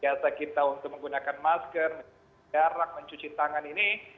biasa kita untuk menggunakan masker jarak mencuci tangan ini